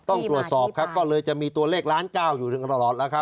ต้องตรวจสอบครับก็เลยจะมีตัวเลขล้านเก้าอยู่ตลอดแล้วครับ